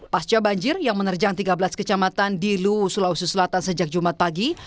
pasca banjir yang menerjang tiga belas kecamatan di luwu sulawesi selatan sejak jumat pagi